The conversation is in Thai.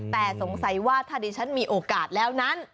แต่สงสัยว่าถ้าดิฉันมีโอกาสแล้วนั้น